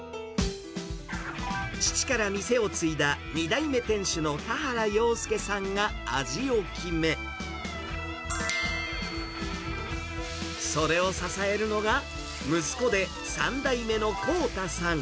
父から店を継いだ２代目店主の田原洋介さんが味を決め、それを支えるのが、息子で３代目の航太さん。